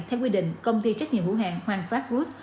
theo quy định công ty trách nhiệm hữu hạng hoàng pháp group